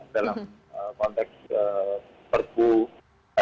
dalam konteks perpukan